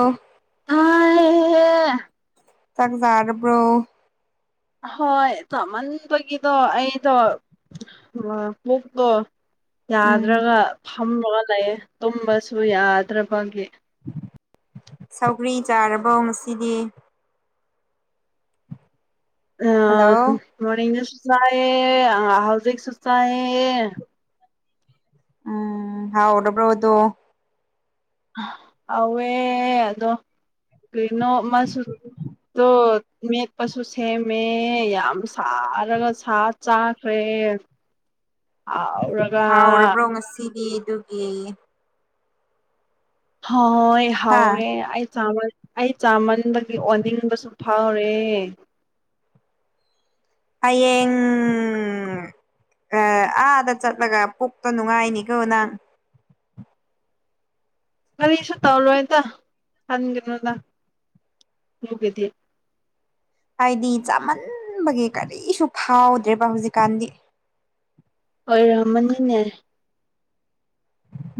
ꯑꯥ ꯑꯥꯏꯌꯦ ꯆꯥꯛꯖꯥꯔꯕ꯭ꯔꯣ ꯍꯣꯏ ꯆꯃꯟꯄꯒꯤꯗꯣ ꯑꯩꯗꯣ ꯄꯨꯛꯇꯣ ꯎꯝ ꯌꯥꯗ꯭ꯔꯒ ꯐꯝꯃꯒ ꯂꯩꯌꯦ ꯇꯨꯝꯕꯁꯨ ꯌꯥꯗ꯭ꯔꯕꯒꯤ ꯁꯧꯒ꯭ꯔꯤ ꯆꯥꯔꯕꯣ ꯉꯁꯤꯗꯤ ꯑ ꯍꯜꯂꯣ ꯃꯣꯔꯅꯤꯡꯁꯨ ꯆꯥꯏꯌꯦ ꯑ ꯍꯧꯖꯤꯛꯁꯨ ꯆꯥꯏꯌꯦ ꯎꯝ ꯍꯥꯎꯔꯕ꯭ꯔꯣ ꯑꯗꯣ ꯍꯥꯎꯋꯦ ꯑꯗꯣ ꯀꯔꯤꯅꯣ ꯑꯃꯁꯨ ꯇꯨꯠ ꯃꯦꯠꯄꯁꯨ ꯁꯦꯝꯃꯦ ꯌꯥꯝ ꯁꯥꯔꯒ ꯁꯥ ꯆꯥꯈ꯭ꯔꯦ [inaudible] ꯍꯥꯎꯔꯒ ꯍꯥꯎꯔꯕ꯭ꯔꯣ ꯉꯁꯤꯗꯤ ꯑꯗꯨꯒꯤ ꯍꯣꯏ ꯍꯥ ꯍꯥꯎꯔꯦ ꯑꯩ ꯆꯥꯔꯩ ꯑꯩ ꯆꯥꯃꯟꯕꯒꯤ ꯑꯣꯟꯅꯤꯡꯕꯁꯨ ꯐꯥꯎꯔꯦ ꯍꯌꯦꯡ ꯑ ꯑꯥꯗ ꯆꯠꯂꯒ ꯄꯨꯛꯇꯨ ꯅꯨꯡꯉꯥꯏꯅꯤꯀꯣ ꯅꯪ ꯀꯔꯤꯁꯨ ꯇꯧꯔꯣꯏꯗ ꯈꯟꯒꯅꯣꯗ ꯗꯨꯒꯤꯗꯤ ꯍꯥꯏꯗꯤ ꯆꯥꯃꯟꯕꯒꯤ ꯀꯔꯤꯁꯨ ꯐꯥꯎꯗ꯭ꯔꯦꯕ ꯍꯧꯖꯤꯛꯀꯥꯟꯗꯤ ꯑꯣꯏꯔꯝꯃꯅꯤꯅꯦ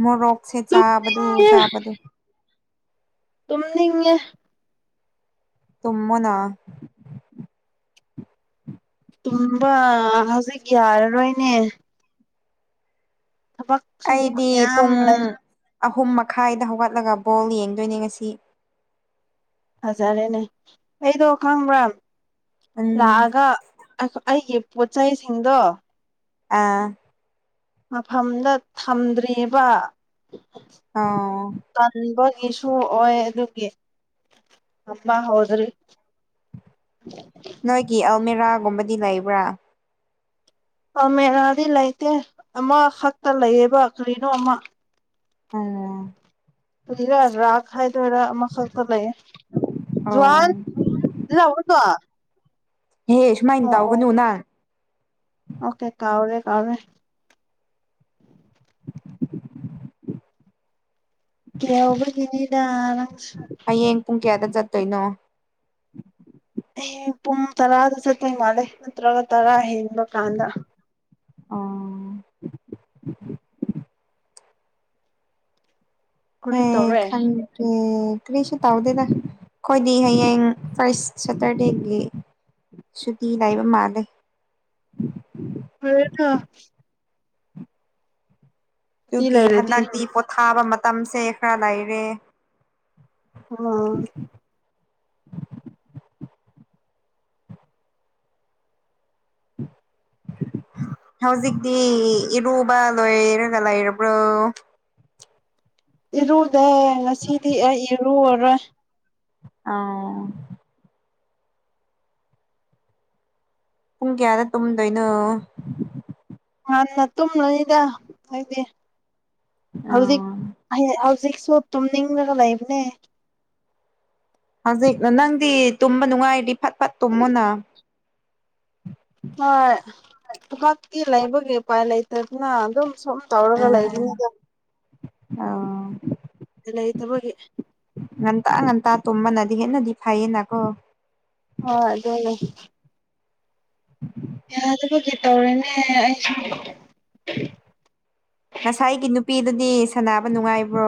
ꯃꯣ ꯔꯣꯛꯁꯦ ꯆꯥꯕꯗꯨ ꯇꯨꯝꯅꯤꯡꯉꯦ ꯆꯥꯕꯗꯨ ꯇꯨꯝꯅꯤꯡꯉꯦ ꯇꯨꯝꯃꯣꯅ ꯇꯨꯝꯕ ꯍꯧꯖꯤꯛ ꯌꯥꯔꯔꯣꯏꯅꯦ ꯊꯕꯛꯁꯨ ꯑꯩꯗꯤ ꯈꯨꯌꯥꯝ ꯄꯨꯡ ꯂꯩ ꯑꯍꯨꯝ ꯃꯈꯥꯏꯗ ꯍꯧꯒꯠꯂꯒ ꯕꯣꯜ ꯌꯦꯡꯗꯣꯏꯅꯦ ꯉꯁꯤ ꯐꯖꯔꯦꯅꯦ ꯑꯩꯗꯣ ꯈꯪꯕ꯭ꯔꯥ ꯎꯝ ꯂꯥꯛꯑꯒ ꯑ ꯑꯩꯒꯤ ꯄꯣꯠꯆꯩꯁꯤꯡꯗꯣ ꯑꯥ ꯃꯐꯝꯗ ꯊꯝꯗ꯭ꯔꯤꯕ [unintelligible] ꯇꯟꯕꯒꯤꯁꯨ ꯑꯣꯏ ꯑꯗꯨꯒꯤ ꯇꯝꯕ ꯍꯧꯗ꯭ꯔꯤ ꯅꯣꯏꯒꯤ ꯑꯜꯃꯦꯔꯥꯒꯨꯝꯕꯗꯤ ꯂꯩꯕ꯭ꯔꯥ ꯑꯃꯦꯔꯥꯗꯤ ꯂꯩꯇꯦ ꯑꯃꯈꯛꯇ ꯂꯩꯌꯦꯕ ꯀꯔꯤꯅꯣ ꯑꯃ ꯑ ꯔꯥ ꯔꯥꯛ ꯍꯥꯏꯗꯣꯏꯔꯥ ꯑꯃꯈꯛꯇ ꯂꯩ ꯖꯨꯋꯥꯟ ꯑꯣ ꯏ ꯎꯗ ꯋꯥ [unintelligible] ꯍꯦ ꯁꯨꯃꯥꯏꯅ ꯇꯧꯒꯅꯨ ꯅ ꯑꯣꯀꯦ ꯀꯥꯎꯔꯦ ꯀꯥꯎꯔꯦ ꯀꯕ ꯀꯅꯤꯗꯁꯨ [unintelligible] [unintelligible] ꯍꯌꯦꯡ ꯄꯨꯡ ꯀꯌꯥꯗ ꯆꯠꯇꯣꯏꯅꯣ ꯍꯌ‌ꯦꯡ ꯄꯨꯡ ꯇꯔꯥꯗ ꯆꯠꯇꯣꯏ ꯃꯥꯜꯂꯦ ꯅꯠꯇ꯭ꯔꯒ ꯇꯔꯥ ꯍꯦꯟꯕ ꯀꯥꯟꯗ ꯑ ꯍ ꯀꯔꯤ ꯇꯧꯔꯦ ꯈꯪꯗ‌ꯦ ꯀ꯭ꯔꯤꯁꯤ ꯇꯥꯎꯗꯦꯗ ꯑꯩꯈꯣꯏꯗꯤ ꯍꯌꯦꯡ ꯐꯥꯔꯁ ꯁꯦꯇꯔꯗꯦꯒꯤ ꯁꯨꯇꯤ ꯂꯩꯕ ꯃꯥꯜꯂꯦ [unintelligible] ꯊꯣ ꯁꯨꯇꯤ ꯗꯨꯒꯤ ꯂꯩꯔꯗꯤ ꯍꯟꯗꯛꯇꯤ ꯄꯣꯊꯥꯕ ꯃꯇꯝꯁꯦ ꯈꯔ ꯂꯩꯔꯦ꯫ ꯎꯝ ꯍꯧꯖꯤꯛꯇꯤ ꯏꯔꯨꯕ ꯂꯣꯏꯔꯒ ꯂꯩꯔꯕ꯭ꯔꯣ꯫ ꯏꯔꯨꯗꯦ ꯉꯁꯤꯗꯤ ꯑꯩ ꯏꯔꯨꯔꯔꯣꯏ꯫ ꯑꯥ꯫ ꯄꯨꯡ ꯀꯌꯥꯗ ꯇꯨꯝꯗꯣꯏꯅꯣ꯫ ꯉꯥꯟꯅ ꯇꯨꯝꯂꯨꯅꯤꯗ ꯑꯩ ꯗꯤꯍꯧꯖꯤꯛ꯫ ꯑꯥ ꯍꯧꯖꯤꯛꯁꯨ ꯇꯨꯝꯅꯤꯡꯂꯒ ꯂꯩꯕꯅꯦ꯫ ꯍꯧꯖꯤꯛ ꯅꯪꯗꯤ ꯇꯨꯝꯕ ꯅꯨꯡꯉꯥꯏꯔꯗꯤ ꯐꯠ ꯐꯠ ꯇꯨꯝꯃꯣꯅ꯫ ꯍꯣꯏ ꯊꯕꯀꯤ ꯂꯩꯕꯒꯤ ꯎꯄꯥꯏ ꯂꯩꯇꯗꯅ ꯑꯗꯨꯝ ꯁꯨꯝ ꯇꯧꯔꯒ ꯑꯥ ꯂꯩꯕꯅꯤꯅ ꯑꯧ ꯂꯩꯇꯕꯒꯤ꯫ ꯉꯟꯇꯥ ꯉꯟꯇꯥ ꯇꯨꯝꯝꯕꯅꯗꯤ ꯍꯦꯟꯅꯗꯤ ꯐꯩꯌꯦꯅꯀꯣ꯫ ꯍꯣꯏ ꯑꯗꯨꯅ ꯌꯥꯗꯕꯒꯤ ꯇꯧꯔꯤꯅꯦ ꯑꯩꯁꯨ꯫ ꯉꯁꯥꯏꯒꯤ ꯅꯨꯄꯤꯗꯨꯗꯤ ꯁꯅꯕ ꯅꯨꯡꯉꯥꯏꯕ꯭ꯔꯣ꯫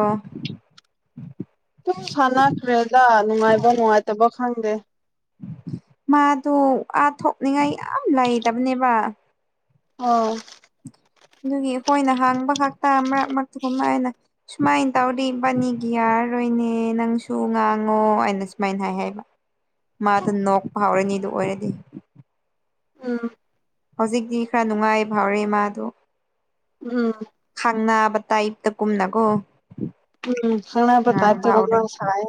ꯑꯗꯨꯝ ꯁꯥꯟꯅꯈ꯭ꯔꯦꯗ ꯅꯨꯡꯉꯥꯏꯕ ꯅꯨꯡꯉꯥꯏꯇꯕ ꯈꯪꯗꯦ꯫ ꯃꯥꯗꯨ ꯑꯥ ꯊꯣꯛꯅꯤꯡꯉꯥꯏ ꯌꯥꯝ ꯂꯩꯇꯕꯅꯦꯕ꯫ ꯑꯣ꯫ ꯑꯗꯨꯒꯤ ꯑꯩꯈꯣꯏꯅ ꯍꯥꯡꯕ ꯈꯥꯛꯛꯇ ꯃꯔꯛ ꯃꯔꯛꯇꯒꯨꯝꯕ ꯑꯅ ꯁꯨꯃꯥꯏꯅ ꯇꯧꯔꯤ ꯏꯕꯥꯅꯤꯒꯤ ꯌꯥꯔꯔꯣꯏꯅꯦ ꯅꯪꯁꯨ ꯉꯥꯡꯉꯣ ꯑꯅ ꯁꯨꯃꯥꯏꯅ ꯍꯥꯏ ꯍꯥꯏꯕ꯫ ꯃꯥꯗ ꯅꯣꯛꯄ ꯍꯥꯎꯔꯅꯤꯗꯨ ꯑꯣꯏꯔꯗꯤ꯫ ꯎꯝ꯫ ꯍꯧꯖꯤꯛꯇꯤ ꯈꯔ ꯅꯨꯡꯉꯥꯏ ꯐꯥꯎꯔꯦ ꯃꯥꯗꯣ꯫ ꯎꯝ꯫ ꯈꯥꯡꯅꯕ ꯇꯥꯏꯞꯇ ꯀꯨꯝꯅꯒꯣ꯫ ꯎꯝ ꯈꯅꯥꯄ ꯇꯥꯏꯄ ꯁꯥꯏ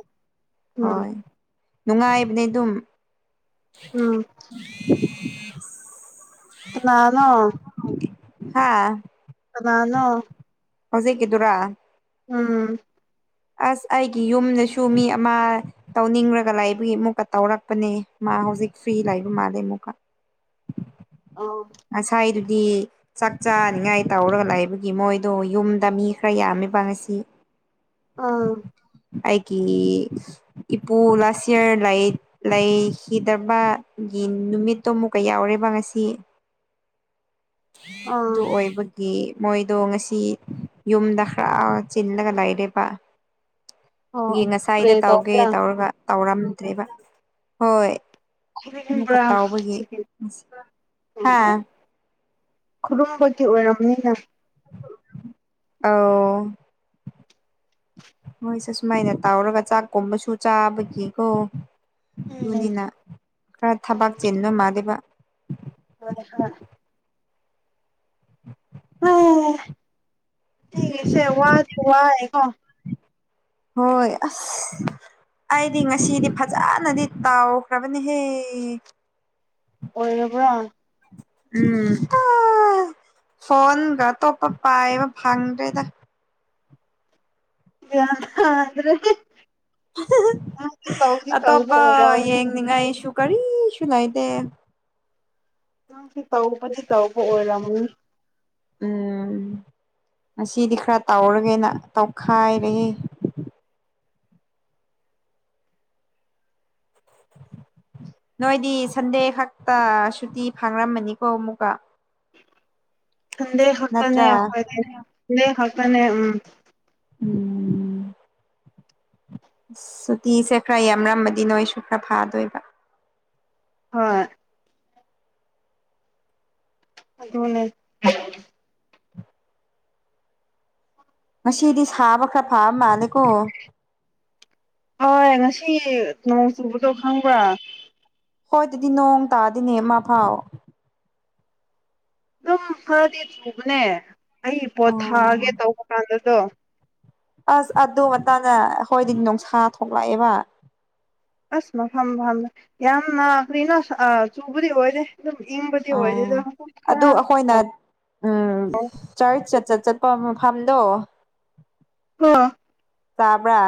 ꯎꯝ ꯍꯣꯏ ꯅꯨꯡꯉꯥꯏꯕꯅꯦ ꯑꯗꯨꯝ꯫ ꯎꯝ꯫ [inaudible] ꯀꯥꯅꯅꯣ꯫ ꯍꯥꯥ ꯀꯅꯅꯣ ꯍꯧꯖꯤꯛꯀꯤꯗꯨꯔꯥ ꯎꯝ ꯑꯁ ꯑꯩꯒꯤ ꯌꯨꯝꯗꯁꯨ ꯃꯤ ꯑꯃ ꯇꯧꯅꯤꯡꯔꯒ ꯂꯥꯏꯕꯒꯤ ꯑꯃꯨꯛꯀ ꯇꯧꯔꯛꯄꯅꯦ ꯃꯥ ꯍꯧꯖꯤꯛ ꯐ꯭ꯔꯤ ꯂꯥꯛꯏꯕ ꯃꯥꯜꯂꯦ ꯑꯃꯨꯛꯀ ꯑ ꯉꯁꯥꯏꯗꯨꯗꯤ ꯆꯥꯛ ꯆꯥꯅꯤꯡꯉꯥꯏ ꯇꯧꯔꯒ ꯂꯩꯥꯛꯏꯕꯒꯤ ꯃꯣꯏꯗꯣ ꯌꯨꯝꯗ ꯃꯤ ꯈꯔ ꯌꯥꯝꯃꯤꯕꯁꯤ ꯑꯥ ꯑꯩꯀꯤ ꯏꯄꯣ ꯂꯥꯥꯁ ꯏꯌꯔ ꯂꯥꯏ ꯂꯩꯈꯤꯗꯕꯒꯤ ꯅꯨꯃꯤꯠꯇꯣ ꯑꯃꯨꯛꯀ ꯌꯥꯎꯔꯦꯕ ꯉꯁꯤ ꯑꯗꯨ ꯑꯥ ꯑꯣꯏꯕ ꯒꯤ ꯃꯣꯏꯗꯣ ꯉꯁꯤ ꯌꯨꯝꯗ ꯈꯔ ꯆꯤꯜꯂꯒ ꯂꯩꯔꯦꯕ꯫ ꯑꯣ ꯒꯤ ꯄ꯭ꯔꯦ ꯉꯁꯥꯏꯗ ꯇꯧꯒꯦ ꯇꯧꯕ꯭ꯔꯥ ꯇꯧꯔꯒ ꯇꯧꯔꯝꯗ꯭ꯔꯦꯕ ꯍꯣꯏ ꯑꯃꯨꯛꯀ ꯈꯨꯔꯨꯝꯕ꯭ꯔꯥ ꯇꯥꯎꯕꯒꯤ ꯍꯥ ꯈꯨꯔꯨꯝꯕꯒꯤ ꯑꯣꯏꯔꯕꯅꯤꯅ ꯑꯥꯎ ꯃꯣꯏꯁꯦ ꯁꯨꯃꯥꯏꯅ ꯇꯧꯔꯒ ꯆꯥꯛꯀꯨꯝꯕꯁꯨ ꯆꯥꯕꯒꯤꯀꯣ꯫ ꯎꯝ ꯑꯗꯨꯅꯤꯅ ꯈꯔ ꯊꯕꯥꯛ ꯆꯤꯟꯕ ꯃꯥꯜꯂꯤꯕ [inaudible] [unintelligible] ꯍꯩ ꯁꯤꯒꯤꯁꯦ ꯋꯥꯗꯤ ꯋꯥꯏꯀꯣ ꯍꯣꯏ ꯑꯁ ꯑꯩꯗꯤ ꯉꯁꯤꯗꯤ ꯐꯖꯅꯗꯤ ꯇꯥꯎꯈ꯭ꯔꯕꯅꯤꯍꯦ ꯑꯣꯏꯔꯕ꯭ꯔꯣ ꯎꯝ ꯑꯥ ꯐꯣꯟꯒ ꯑꯇꯣꯞꯄ ꯄꯥꯏꯕ ꯐꯪꯗ꯭ꯔꯦꯗ ꯌꯥꯝ ꯁꯥꯒꯔꯦꯍꯦ ꯅꯪꯒꯤ ꯇꯥꯎꯗꯤ ꯇꯧꯕ ꯑꯣꯏꯔꯝꯅꯤ ꯅꯤꯡꯉꯥꯏꯁꯨ ꯀꯔꯤꯁꯨ ꯂꯩꯇꯦ ꯅꯪ ꯁꯤ ꯇꯧꯕꯗꯤ ꯇꯧꯕ ꯑꯣꯏꯔꯝꯃꯅꯤ ꯎꯝ ꯉꯁꯤꯗꯤ ꯈꯔ ꯇꯧꯔꯒꯦꯅ ꯇꯧꯈꯥꯏꯔꯦꯍꯦ ꯅꯣꯏꯗꯤ ꯁꯟꯗꯦ ꯈꯛꯇ ꯁꯨꯇꯤ ꯐꯥꯡꯔꯝꯃꯅꯤꯀꯣ ꯑꯃꯨꯛꯀ ꯁꯟꯗꯦ ꯈꯛꯇꯅꯦ ꯅꯠꯇ꯭ꯔꯥ ꯑꯩꯈꯣꯏꯗꯤ ꯁꯟꯗꯦ ꯈꯛꯇꯅꯦ ꯎꯝ ꯎꯝ ꯑꯁ ꯁꯨꯇꯤꯁꯦ ꯈꯔ ꯌꯥꯝꯔꯝꯃꯗꯤ ꯅꯣꯏꯁꯨ ꯈꯔ ꯐꯥꯗꯣꯏꯕ ꯍꯣꯏ ꯑꯗꯨꯅꯦ ꯉꯁꯤꯗꯤ ꯁꯥꯕ ꯈꯔ ꯐꯥꯕ ꯃꯥꯜꯂꯦꯀꯣ ꯍꯣꯏ ꯉꯁꯤ ꯅꯣꯡ ꯆꯨꯕꯗꯣ ꯈꯪꯕ꯭ꯔꯥ ꯈꯣꯏꯗꯗꯤ ꯅꯣꯡ ꯇꯥꯗꯦꯅꯦ ꯑꯃ ꯐꯥꯎ ꯑꯗꯨꯝ ꯐꯔꯗꯤ ꯆꯨꯕꯅꯦ ꯑꯩ ꯄꯣꯠ ꯊꯥꯒꯦ ꯑꯣ ꯇꯧꯕ ꯀꯥꯟꯗꯗꯣ ꯑꯁ ꯑꯗꯨ ꯉꯟꯇꯥꯅ ꯑꯍꯣꯏꯗꯤ ꯅꯨꯡꯁꯥ ꯊꯣꯛꯂꯛꯑꯦꯕ ꯑꯁ ꯃꯐꯝ ꯐꯝꯃ ꯌꯥꯝꯅ ꯀꯔꯤꯅꯣ ꯑꯥ ꯆꯨꯕꯗꯤ ꯑꯣꯏꯗꯦ ꯑꯗꯨꯝ ꯏꯪꯕꯗꯤ ꯑꯣꯏꯗꯦꯗ ꯑꯣ ꯃꯀꯨꯞ ꯑꯗꯨ ꯈꯔ ꯑꯩꯈꯣꯏꯅ ꯎꯝ ꯆꯔꯆꯠ ꯆꯠ ꯆꯠꯄ ꯃꯐꯝꯗꯣ ꯑꯥ ꯇꯥꯕ꯭ꯔꯥ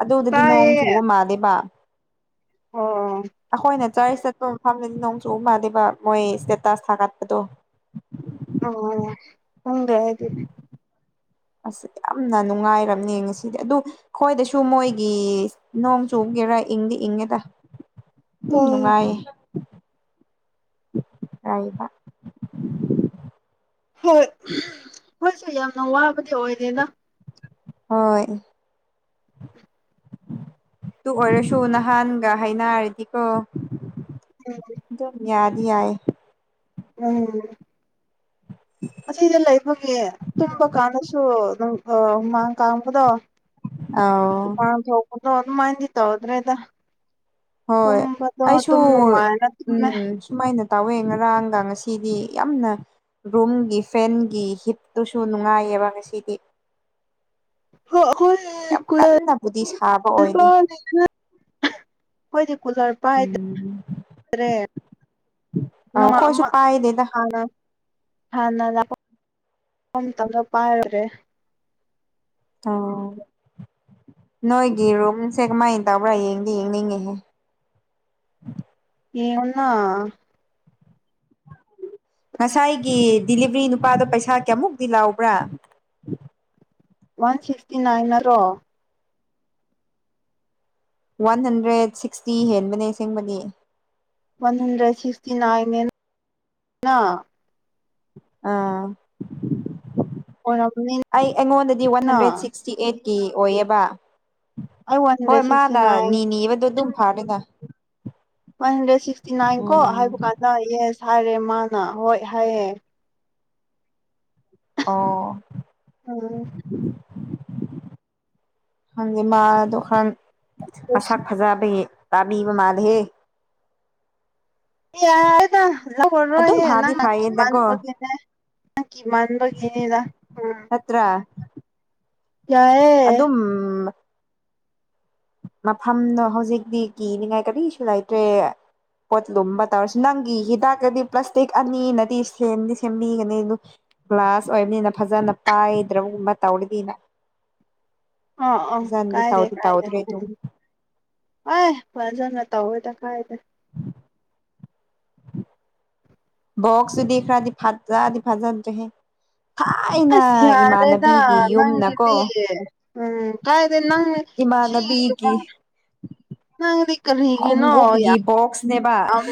ꯑꯗꯨꯗꯗꯤ ꯅꯣꯡ ꯇꯥꯏꯌꯦ ꯆꯨꯕ ꯃꯥꯜꯂꯦꯕ ꯑꯣ ꯑꯈꯣꯏꯅ ꯆꯔꯁ ꯆꯠꯄ ꯃꯐꯝꯗꯗꯤ ꯅꯣꯡ ꯆꯨꯕ ꯃꯥꯜꯂꯦꯕ ꯃꯣꯏ ꯏꯁꯇꯦꯇꯥꯁ ꯊꯥꯒꯠꯄꯗꯣ ꯎꯝ ꯈꯪꯗꯦ ꯑꯩꯗꯤ ꯑꯁ ꯌꯥꯝꯅ ꯅꯨꯡꯉꯥꯏꯔꯝꯅꯤ ꯉꯁꯤꯗꯤ ꯑꯗꯨ ꯈꯣꯏꯗꯁꯨ ꯃꯣꯏꯒꯤ ꯅꯣꯡ ꯆꯨꯕꯒꯤꯔ ꯏꯪꯗꯤ ꯏꯪꯉꯦꯗ [inaudible] ꯑꯗꯨꯝ ꯅꯨꯡꯉꯥꯏꯌꯦ ꯔꯥꯏꯕ ꯍꯣꯏ ꯍꯣꯏꯁꯨ ꯌꯥꯝꯅ ꯋꯥꯕꯗꯤ ꯑꯣꯏꯗꯦꯗ ꯍꯣꯏ ꯇꯨ ꯑꯣꯏꯔꯁꯨ ꯅꯍꯥꯟꯒ ꯍꯥꯏꯅꯔꯗꯤꯀꯣ [unintelligible] ꯑꯗꯨꯝ ꯌꯥꯗꯤ ꯌꯥꯏ ꯎꯝ ꯑꯁꯤꯗ ꯂꯩꯕꯒꯤ ꯇꯨꯝꯕ ꯀꯥꯟꯗꯁꯨ ꯑꯗꯨꯝ ꯑ ꯍꯨꯃꯥꯡ ꯀꯥꯡꯕꯗꯣ ꯑꯥꯎ ꯍꯨꯃꯥꯡ ꯊꯣꯛꯄꯗꯣ ꯑꯗꯨꯃꯥꯏꯅꯗꯤ ꯇꯧꯗ꯭ꯔꯦꯗ ꯍꯣꯏ ꯇꯨꯝꯕꯗꯣ ꯑꯩꯁꯨ ꯗꯨꯝ ꯅꯨꯡꯉꯥꯏꯅ ꯇꯨꯝꯃꯦ ꯎꯝ ꯁꯨꯃꯥꯏꯅ ꯇꯧꯋꯦ ꯉꯔꯥꯡꯒ ꯉꯁꯤꯗꯤ ꯌꯥꯝꯅ ꯔꯨꯝꯒꯤ ꯐꯦꯟꯒꯤ ꯍꯤꯠꯇꯨꯁꯨ ꯅꯨꯡꯉꯥꯏꯌꯦꯕ ꯉꯁꯤꯗꯤ ꯍ ꯑꯈꯣꯏꯒꯤ ꯌꯥꯝ ꯀꯟꯅꯕꯨꯗꯤ ꯁꯥꯕ ꯑꯣꯏꯗꯦ [unintelligible] ꯈꯣꯏꯗꯤ ꯀꯨꯂꯔ ꯄꯥꯏꯗꯦ ꯎꯝ ꯑ ꯅꯣꯃ ꯑꯩꯈꯣꯏꯁꯨ ꯑꯃ ꯄꯥꯏꯗꯦꯗ ꯍꯥꯟꯅ ꯍꯥꯟꯅ ꯂꯥꯛ ꯃꯇꯝꯗ ꯄꯥꯏꯔꯨꯔꯦ ꯑꯣ ꯅꯣꯏꯒꯤ ꯔꯨꯝꯁꯦ ꯀꯃꯥꯏꯅ ꯇꯧꯕ꯭ꯔꯥ ꯌꯦꯡꯗꯤ ꯌꯦꯡꯅꯤꯡꯉꯤꯍꯦ ꯌꯦꯡꯉꯣꯅ ꯉꯁꯥꯏꯒꯤ ꯗꯤꯂꯤꯚꯔꯤ ꯅꯨꯄꯥꯗꯣ ꯄꯩꯁꯥ ꯀꯌꯥꯃꯨꯛꯇꯤ ꯂꯥꯎꯕ꯭ꯔꯥ ꯋꯥꯟ ꯐꯤꯚꯇꯤ ꯅꯥꯏꯟ ꯅꯠꯇ꯭ꯔꯣ ꯋꯥꯟ ꯍꯟꯗ꯭ꯔꯦꯗ ꯁꯤꯛꯁꯇꯤ ꯍꯦꯟꯕꯅꯦ ꯑꯁꯦꯡꯕꯗꯤ ꯋꯥꯟ ꯍꯟꯗ꯭ꯔꯦꯠ ꯁꯤꯛꯁꯇꯤ ꯅꯥꯏꯟ ꯅꯦꯅ ꯑꯥ ꯑꯣꯏꯔꯝꯅꯤꯅ ꯑꯩ ꯑꯩꯉꯣꯟꯗꯗꯤ ꯋꯥꯟ ꯍꯟꯗ꯭ꯔꯦꯠ ꯁꯤꯛꯁ ꯇꯤ ꯑꯩꯠꯀꯤ ꯑꯣꯏꯌꯦꯕ ꯑꯩ ꯋꯥꯟ ꯍꯣꯏ ꯍꯟꯗ꯭ꯔꯦꯠ ꯁꯤꯛꯁꯇꯤ ꯃꯥꯅ ꯅꯥꯏꯟ ꯅꯤꯅꯤꯕꯗꯣ ꯑꯗꯨꯝ ꯐꯥꯔꯅꯤꯗ ꯋꯥꯟ ꯍꯟꯗ꯭ꯔꯦꯗ ꯁꯤꯛꯁꯇꯤ ꯅꯥꯏꯟ ꯀꯣ ꯎꯝ ꯍꯥꯏꯕ ꯀꯥꯟꯗ ꯌꯦꯁ ꯍꯥꯏꯔꯦ ꯃꯥꯅ ꯍꯣꯏ ꯍꯥꯏꯌꯦ ꯑꯣ ꯎꯝ ꯈꯪꯗꯦ ꯃꯥ ꯑꯗꯨ ꯈꯟ ꯃꯁꯥꯛ ꯐꯖꯕꯒꯤ ꯇꯥꯕꯤꯕ ꯃꯥꯜꯂꯤꯍꯦ ꯌꯔꯦꯗ ꯂꯧꯂꯥꯔꯣꯏ ꯑꯗꯨꯝ ꯌꯦ ꯐꯥꯗꯤ ꯅꯪꯅ ꯀꯤꯃꯟ ꯐꯩꯌꯦꯗꯀꯣ ꯕꯒꯤ ꯅꯦ ꯀꯤꯃꯥꯟꯕꯒꯤꯅꯦꯗ ꯎꯝ ꯇ꯭ꯔꯥ ꯌꯥꯏꯌꯦ ꯑꯗꯨꯝ ꯃꯐꯝꯗꯣ ꯍꯧꯖꯤꯛꯇꯤ ꯀꯤꯅꯤꯡꯉꯥꯏ ꯀꯔꯤꯁꯨ ꯂꯩꯇ꯭ꯔꯦ ꯄꯣꯠ ꯂꯨꯝꯕ ꯇꯧꯔꯁꯨ ꯅꯪꯒꯤ ꯍꯤꯗꯥꯛꯇꯗꯤ ꯄ꯭ꯂꯥꯁꯇꯤꯛ ꯑꯅꯤꯅꯗꯤ ꯁꯦꯝꯗꯤ ꯁꯦꯝꯕꯤꯒꯅꯤ ꯑꯗꯨ ꯒ꯭ꯂꯥꯁ ꯑꯣꯏꯕꯅꯤꯅ ꯐꯖꯅ ꯄꯥꯏꯗ꯭ꯔꯕꯒꯨꯝꯕ ꯇꯧꯔꯗꯤꯅ ꯑꯥ ꯑꯥ ꯐꯖꯅꯗꯤ ꯀꯥꯏꯗꯦ ꯇꯧꯗꯤ ꯀꯥꯏꯗꯦ ꯇꯧꯗ꯭ꯔꯦ ꯑꯗꯨ ꯑꯦ ꯐꯖꯅ ꯇꯧꯋꯦꯗ ꯀꯥꯏꯗꯦ ꯕꯣꯛꯁꯇꯨꯗꯤ ꯈꯔꯗꯤ ꯐꯥꯖꯗꯤ ꯐꯥꯖꯗ꯭ꯔꯦꯍꯦ ꯑꯁ ꯌꯥꯔꯦꯗ ꯌꯨꯝꯅꯀꯣ ꯅꯪꯒꯤꯗꯤ ꯎꯝ ꯀꯥꯢꯗꯩ ꯅꯪ ꯏꯃꯥꯟꯅꯕꯤꯒꯤ [unintelligible] ꯅꯪꯗꯤ ꯀꯔꯤꯒꯤꯅꯣ ꯈꯣꯡꯎꯞꯒꯤ ꯌꯥꯝ ꯕꯣꯛꯁꯅꯦꯕ ꯌꯥꯝ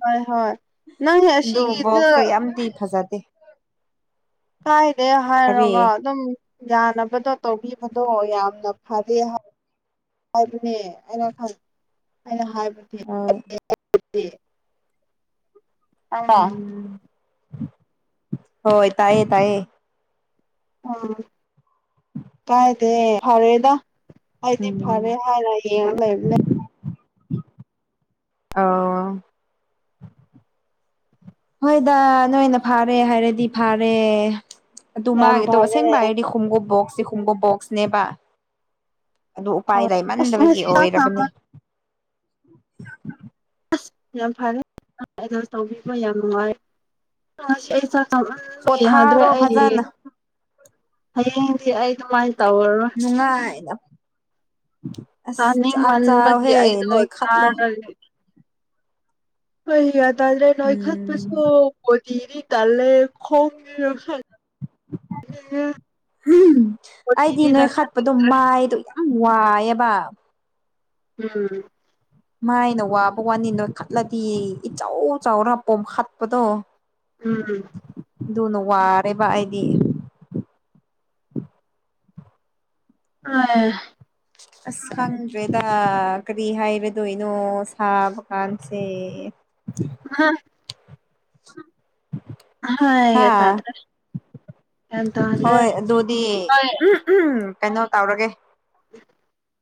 ꯍꯣꯢ ꯍꯣꯏ ꯅꯪ ꯑꯁꯤꯒꯤꯗꯨ ꯗꯤ ꯐꯖꯗꯦ ꯀꯥꯏꯗꯦ ꯀꯔꯤ ꯍꯥꯏꯔꯒ ꯑꯗꯨꯝ ꯌꯥꯅꯕꯗꯣ ꯇꯧꯕꯤꯕꯗꯣ ꯌꯥꯝꯅ ꯐꯔꯦ ꯍꯥꯏꯕꯅꯦ ꯑꯩꯅ ꯈꯟ ꯑꯩꯅ ꯍꯥꯏꯕ ꯑꯧ [unintelligible] ꯑ ꯎꯝ ꯍꯣꯏ ꯇꯥꯌꯦ ꯇꯥꯌꯦ ꯎꯝ ꯀꯥꯏꯗꯦ ꯐꯔꯦꯗ ꯑꯩꯗꯤ ꯎꯝ ꯐꯔꯦ ꯍꯥꯏꯔ ꯌꯦꯡ ꯂꯩꯕꯅꯦ ꯑꯣ ꯍꯣꯏꯗ ꯅꯣꯏꯅ ꯐꯥꯔꯦ ꯍꯥꯏꯔꯗꯤ ꯐꯥꯔꯦ ꯑꯗꯨ ꯌꯥꯝ ꯃꯥꯒꯤꯗꯣ ꯐꯔꯦ ꯑꯁꯦꯡꯕ ꯍꯥꯏꯔꯗꯤ ꯈꯣꯡꯎꯞ ꯕꯣꯛꯁꯁꯦ ꯈꯣꯡꯎꯞ ꯕꯣꯛꯁꯅꯦꯕ ꯑꯗꯨ ꯎꯄꯥꯏ ꯍꯣꯏ ꯑꯁ ꯂꯩꯃꯟꯗꯕꯒꯤ ꯉꯁꯤ ꯆꯥꯛ ꯆꯥꯕ ꯑꯣꯏꯔꯕꯅꯤ ꯑꯁ ꯌꯥꯝ ꯐꯔꯦ ꯅꯪ ꯑꯦꯖꯁ ꯇꯧꯕꯤꯕ ꯌꯥꯝ ꯅꯨꯡꯉꯥꯏꯌꯦ ꯑꯩ ꯆꯥꯛ ꯆꯥꯃꯟꯕꯒꯤ ꯌꯥꯗ꯭ꯔꯦ ꯄꯣꯊꯥꯔꯣ ꯑꯩ ꯐꯖꯅ ꯍꯌꯦꯡꯗꯤ ꯑꯩ ꯑꯗꯨꯃꯥꯏꯟ ꯇꯧꯔꯔꯣꯏ ꯅꯨꯡꯉꯥꯏꯅ ꯑꯁ ꯆꯥꯛ ꯆꯥꯅꯤꯡꯃꯟꯕꯒꯤ ꯆꯥꯎꯍꯦ ꯑꯩꯗꯣ ꯅꯣꯏ ꯈꯠꯂꯣ ꯆꯥꯔꯒ ꯑꯩ ꯒ꯭ꯌꯥꯟ ꯇꯥꯗ꯭ꯔꯦ ꯎꯝ ꯅꯣꯢꯈꯠꯄꯁꯨ [unintelligible] ꯀꯤꯔꯤ ꯇꯂꯦ ꯈꯣꯡ [unintelligible] ꯑꯩꯗꯤ ꯅꯣꯏ ꯈꯠꯄꯗꯣ ꯅꯣꯏꯈꯠꯅꯤꯡꯗ꯭ꯔꯦ ꯃꯥꯏꯗꯣ ꯌꯥꯝ ꯋꯥꯏꯑꯕ ꯎꯝ ꯃꯥꯏꯅ ꯋꯥꯕ ꯋꯥꯅꯤ ꯅꯣꯏ ꯈꯠꯂꯗꯤ ꯏꯆꯧ ꯆꯧꯔ ꯄꯣꯝ ꯈꯠꯄꯗꯣ ꯎꯝ ꯑꯗꯨꯅ ꯋꯥꯔꯦꯕ ꯑꯩꯗꯤ [unintelligible] ꯑꯁ ꯈꯪꯗ꯭ꯔꯦꯗ ꯀꯔꯤ ꯍꯥꯏꯔꯗꯣꯏꯅꯣ ꯁꯥꯕꯀꯥꯟꯁꯦ [inaudible] ꯑ ꯎꯝ ꯍꯥ ꯍꯒꯦꯗꯗ꯭ꯔꯦ ꯍꯣꯏ ꯑꯗꯨꯗꯤ ꯎꯝ ꯎꯝꯝ ꯀꯩꯅꯣ ꯇꯧꯔꯒꯦ [inaudible]